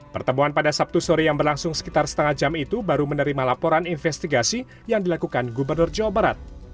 pertemuan pada sabtu sore yang berlangsung sekitar setengah jam itu baru menerima laporan investigasi yang dilakukan gubernur jawa barat